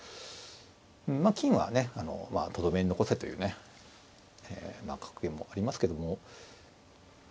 まあ「金はトドメに残せ」というね格言もありますけども。